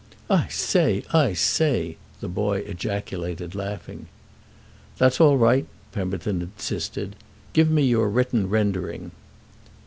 "I say—I say!" the boy ejaculated, laughing. "That's all right," Pemberton insisted. "Give me your written rendering."